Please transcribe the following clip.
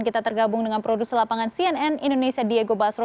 kita tergabung dengan produser lapangan cnn indonesia diego basro